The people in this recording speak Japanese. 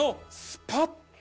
スパッ。